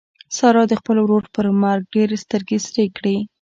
سارا د خپل ورور پر مرګ ډېرې سترګې سرې کړې.